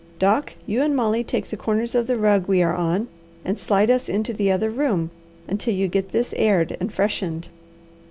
Doc, you and Molly take the corners of the rug we are on and slide us into the other room until you get this aired and freshened."